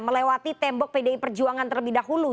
melewati tembok pdi perjuangan terlebih dahulu